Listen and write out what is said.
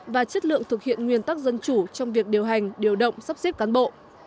và chất lượng thực hiện nguyên tắc dân chủ trong việc điều hành điều động sắp xếp cán bộ